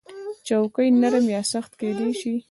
چوکۍ نرم یا سخت کېدای شي.